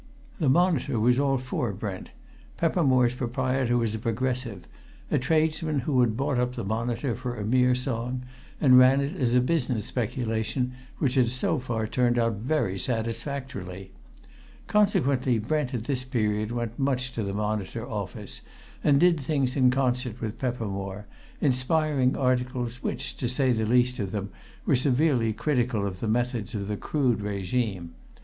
The Monitor was all for Brent Peppermore's proprietor was a Progressive; a tradesman who had bought up the Monitor for a mere song, and ran it as a business speculation which had so far turned out very satisfactorily. Consequently, Brent at this period went much to the Monitor office, and did things in concert with Peppermore, inspiring articles which, to say the least of them, were severely critical of the methods of the Crood regime.